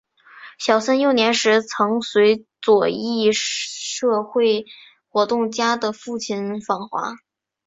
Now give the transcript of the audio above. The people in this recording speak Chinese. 小森幼年时曾随左翼社会活动家的父亲访华。